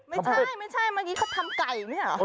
ไม่ใช่เมื่อกี้เขาทำไก่ไม่เหรอ